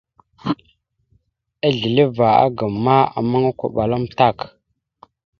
Asleva agam ma, ammaŋ okoɓala amətak.